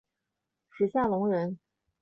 史夏隆人。